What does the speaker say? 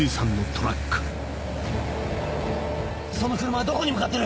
その車はどこに向かってる！